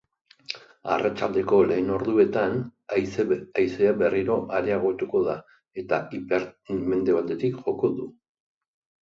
Arratsaldeko lehen orduetan, haizea berriro areagotuko da, eta ipar-mendebaldetik joko du.